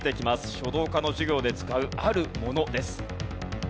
書道科の授業で使うあるものです。